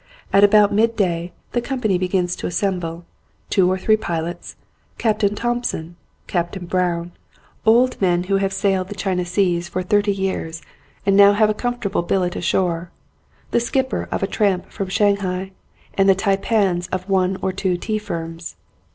At about midday the company begins to assemble, two or three pilots, Captain Thompson and Captain Brown, old men who have sailed the China Seas 44 THE GLORY HOLE for thirty years and now have a comfortable bil let ashore, the skipper of a tramp from Shanghai, and the taipans of one or two tea firms.